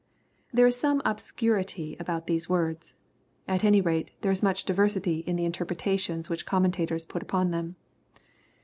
] There is some obscurity about these words. At any rate, there is much diversity in the interpretations which comme^itators put upon them.